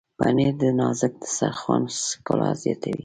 پنېر د نازک دسترخوان ښکلا زیاتوي.